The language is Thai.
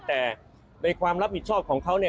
แต่ในความรับผิดชอบของเขาเนี่ย